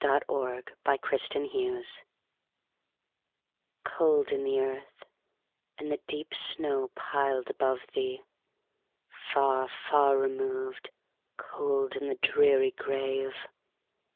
Emily Brontë Remembrance COLD in the earth, and the deep snow piled above thee! Far, far removed, cold in the dreary grave!